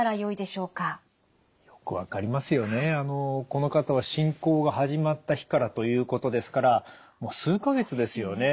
この方は侵攻が始まった日からということですからもう数か月ですよね。